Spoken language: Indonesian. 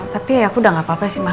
tapi ya aku udah gapapa sih ma